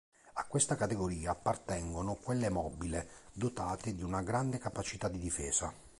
A questa categoria appartengono quelle mobile dotate di una grande capacità di difesa.